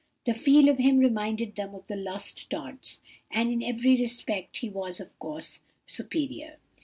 The feel of him reminded them of the lost Tods; and in every respect he was, of course, superior.